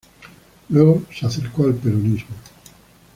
Luego se acercó al peronismo.